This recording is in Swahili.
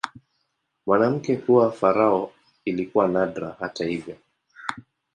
Mwanamke kuwa farao ilikuwa nadra, hata hivyo.